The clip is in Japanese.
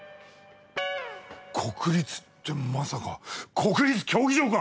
「国立」ってまさか国立競技場か？